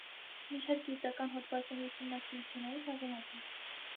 Մի շարք գիտական հոդվածների, ուսումնասիրությունների հեղինակ է։